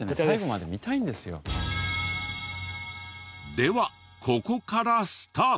ではここからスタート。